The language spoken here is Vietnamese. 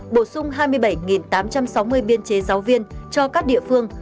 bổ sung hai mươi bảy tám trăm sáu mươi biên chế giáo viên cho các địa phương